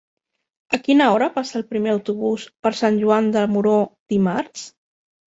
A quina hora passa el primer autobús per Sant Joan de Moró dimarts?